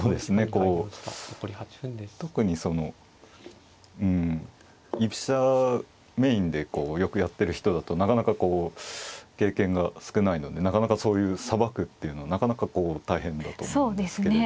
こう特にそのうん居飛車メインでよくやってる人だとなかなかこう経験が少ないのでなかなかそういうさばくっていうのなかなか大変だと思うんですけれど。